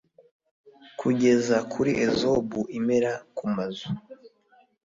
ukageza kuri ezobu imera ku mazu